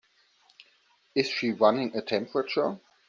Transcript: Is she running a temperature?